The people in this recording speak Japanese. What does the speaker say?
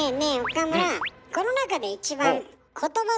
岡村。